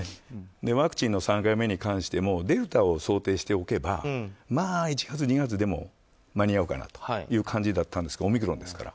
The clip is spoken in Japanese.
ワクチンの３回目に関してもデルタを想定しておけば１月、２月でも間に合うかなという感じだったんですがオミクロンですから。